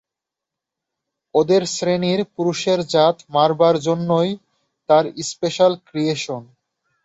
ওদের শ্রেণীর পুরুষের জাত মারবার জন্যেই তার স্পেশাল ক্রিয়েশন।